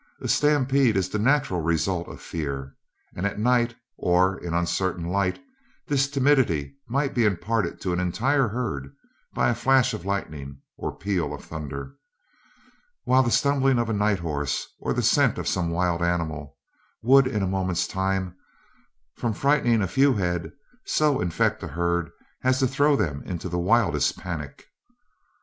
A stampede is the natural result of fear, and at night or in an uncertain light, this timidity might be imparted to an entire herd by a flash of lightning or a peal of thunder, while the stumbling of a night horse, or the scent of some wild animal, would in a moment's time, from frightening a few head, so infect a herd as to throw them into the wildest panic.